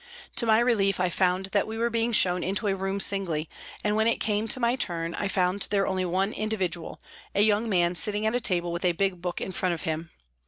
To my relief I found that we were being shown into a room singly, and when it came to my turn I found there only one individual, a young man sitting at a table with a big book in front of him.